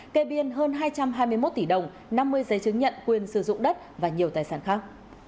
kê biên hơn hai trăm hai mươi một tỷ đồng năm mươi giấy chứng nhận quyền sử dụng đất và nhiều tài sản khác